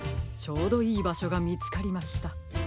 ちょうどいいばしょがみつかりました。